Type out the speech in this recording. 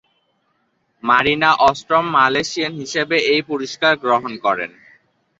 Marina অষ্টম Malaysian হিসেবে এই পুরস্কার গ্রহণ করেন।